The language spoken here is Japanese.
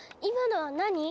今のは何？